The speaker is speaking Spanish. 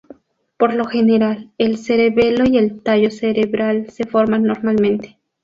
Por lo general, el cerebelo y el tallo cerebral se forman normalmente.